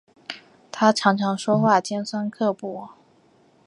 她常常说话尖酸刻薄